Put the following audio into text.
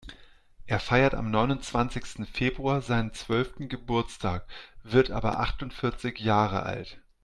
Er feiert am neunundzwanzigsten Februar seinen zwölften Geburtstag, wird aber achtundvierzig Jahre alt.